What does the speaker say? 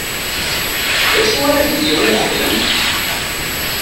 D acu ara k-d-yawi uxemmem?